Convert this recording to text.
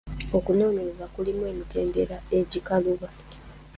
Okunoonyereza kulimu emitendera egikaluba.